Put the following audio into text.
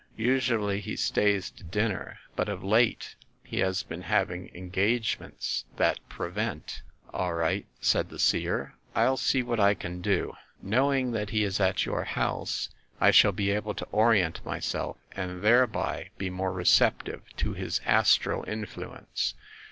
Us ually he stays to dinner, but of late he has been having engagements that prevent." "All right," said the Seer; "I'll see what I can do. Knowing that he is at your house, I shall be able to orient myself and thereby be more receptive to his THE ASSASSINS' CLUB 251 astral influence.